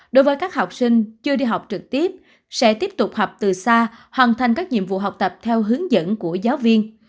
đối với các học sinh chưa đi học trực tiếp sẽ tiếp tục học từ xa hoàn thành các nhiệm vụ học tập theo hướng dẫn của giáo viên